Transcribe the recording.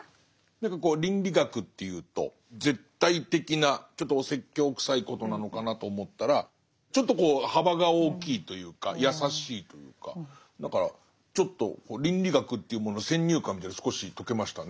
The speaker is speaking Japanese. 何かこう倫理学っていうと絶対的なちょっとお説教くさいことなのかなと思ったらちょっと幅が大きいというか優しいというかだからちょっと倫理学というものの先入観みたいなの少し解けましたね。